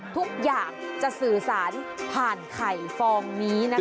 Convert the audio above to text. ทุกอย่างจะสื่อสารผ่านไข่ฟองนี้นะคะ